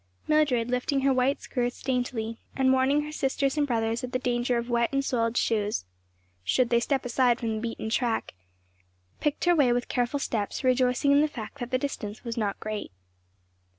Mildred, lifting her white skirts daintily, and warning her sisters and brothers of the danger of wet and soiled shoes, should they step aside from the beaten track, picked her way with careful steps, rejoicing in the fact that the distance was not great.